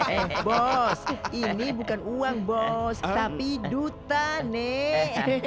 ehh bos ini bukan uang bos tapi duta nek